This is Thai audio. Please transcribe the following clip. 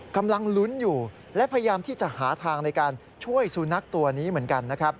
กำลังลุ้นอยู่และพยายามที่จะหาทางในการช่วยสุนัขตัวนี้เหมือนกันนะครับ